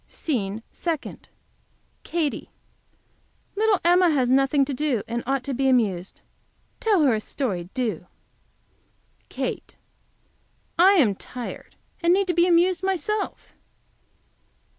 SCENE SECOND. Katy. Little Emma has nothing to do, and ought to be amused. Tell her a story, do. Kate. I am tired, and need to be amused myself.